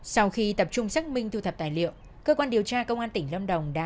sau khi tập trung xác minh thu thập tài liệu cơ quan điều tra công an tỉnh lâm đồng đã có cơ sở để tin rằng